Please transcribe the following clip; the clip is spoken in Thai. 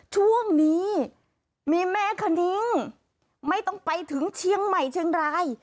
ช่วงนี้มีแม่คณิ้งไม่ต้องไปถึงเชียงใหม่เชียงราย